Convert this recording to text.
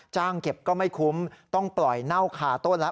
เก็บก็ไม่คุ้มต้องปล่อยเน่าคาต้นแล้ว